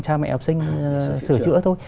cha mẹ học sinh sửa chữa thôi